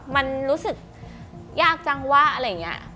มันรู้สึกยากจังวะอะไรอย่างนี้